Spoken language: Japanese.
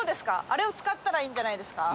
あれを使ったらいいんじゃないんですか？